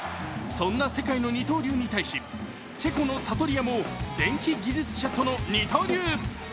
そんな世界の二刀流に対しチェコのサトリアも電気技術者との二刀流。